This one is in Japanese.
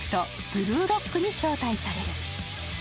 ブルーロックに招待される。